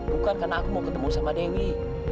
bukan karena aku mau ketemu sama dewi